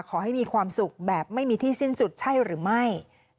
ขอให้มีความสุขแบบไม่มีที่สิ้นสุดใช่หรือไม่